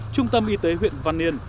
trung tâm y tế huyện văn yên